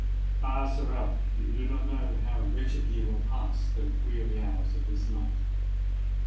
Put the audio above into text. Ah! Sir Ralph, you know not how wretchedly will pass the weary hours of this night!